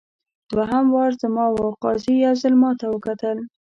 دوهم وار زما وو قاضي یو ځل ماته وکتل.